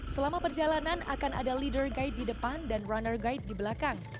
selama perjalanan akan ada leader guide di depan dan runner guide di belakang